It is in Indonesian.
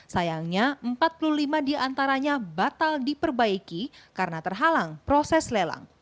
sayangnya empat puluh lima diantaranya batal diperbaiki karena terhalang proses lelang